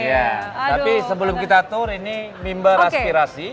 iya tapi sebelum kita tur ini member aspirasi